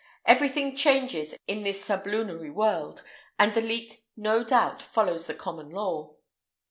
[IX 150] Everything changes in this sublunary world, and the leek no doubt follows the common law.